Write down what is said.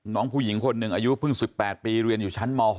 น้องผู้หญิงคนหนึ่งอายุเพิ่ง๑๘ปีเรียนอยู่ชั้นม๖